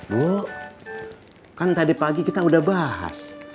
bu kan tadi pagi kita udah bahas